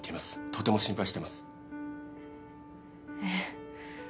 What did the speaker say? とても心配してますええ